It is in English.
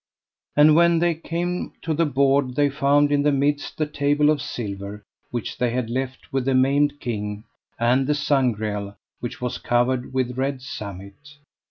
And when they came to the board they found in the midst the table of silver which they had left with the Maimed King, and the Sangreal which was covered with red samite.